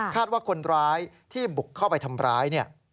คาดว่าคนร้ายที่บุกเข้าไปทำร้าย